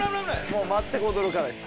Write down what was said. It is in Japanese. もう全く驚かないです。